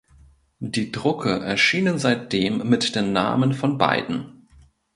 Die Drucke erschienen seitdem mit den Namen von beiden.